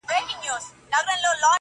هغه چي تږې سي اوبه په پټو سترگو څيښي,